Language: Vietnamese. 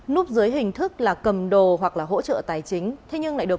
núp dưới hình thức là cầm đồ hoặc là hỗ trợ tài chính